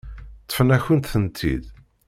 Ṭṭfen-akent-tent-id.